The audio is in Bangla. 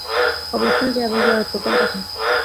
কবরস্থানে যাই এবং জিয়ারত করতাম তখন।